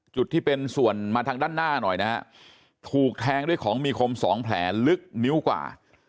จุดที่เป็นส่วนมาทางด้านหน้าหน่อยนะฮะถูกแทงด้วยของมีคมสองแผลลึกนิ้วกว่า